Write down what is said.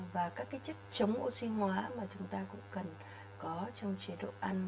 và các chất chống oxy hóa mà chúng ta cũng cần có trong chế độ ăn